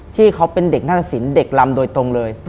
ที่เขาเป็นเด็กนาฏศิลปเด็กลำโดยตรงเลย